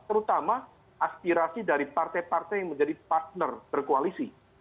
terutama aspirasi dari partai partai yang menjadi partner berkoalisi